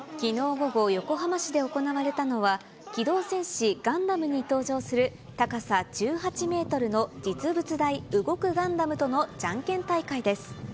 午後、横浜市で行われたのは、機動戦士ガンダムに登場する高さ１８メートルの実物大動くガンダムとのじゃんけん大会です。